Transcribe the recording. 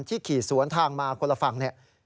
ที่ขี่สวนทางมาคนละฝั่ง